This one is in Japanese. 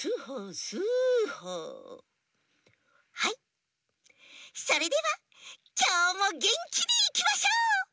はいそれではきょうもげんきにいきましょう！